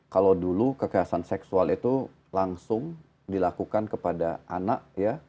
kalau dulu kekerasan seksual itu langsung dilakukan kepada anak ya